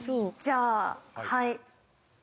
じゃあはい。